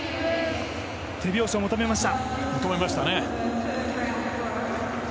手拍子を求めました。